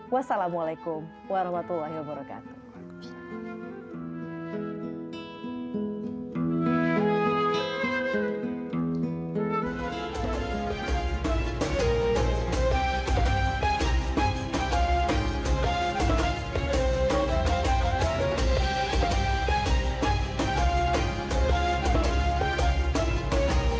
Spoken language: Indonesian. wassalamualaikum warahmatullahi wabarakatuh